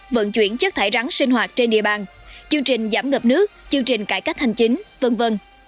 vận chuyển chất thải rắn sinh hoạt trên địa bàn chương trình giảm ngập nước chương trình cải cách hành chính v v